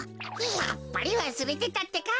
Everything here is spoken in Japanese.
やっぱりわすれてたってか。